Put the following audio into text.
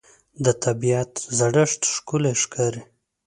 د طبیعت زړښت ښکلی ښکاري